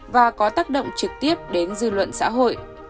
và có tác động trực tiếp đến dư luận xã hội